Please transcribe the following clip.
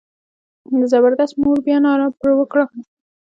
د زبردست مور بیا ناره پر وکړه.